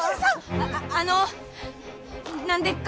あああの何でっか？